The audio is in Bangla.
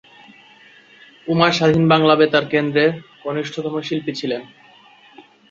উমা স্বাধীন বাংলা বেতার কেন্দ্রের কনিষ্ঠতম শিল্পী ছিলেন।